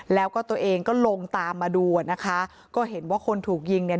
แล้วก็ตัวเองก็ลงตามมาดูอ่ะนะคะก็เห็นว่าคนถูกยิงเนี่ย